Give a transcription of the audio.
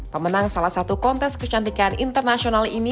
pemenang salah satu kontes kecantikan internasional ini